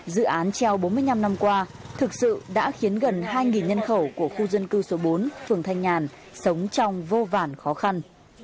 dự án treo bốn mươi năm năm qua thực sự đã khiến gần hai nhân khẩu của khu dân cư số bốn phường thanh nhàn sống trong vô vàn khó khăn